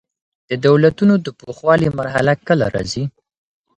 د دولتونو د پوخوالي مرحله کله راځي؟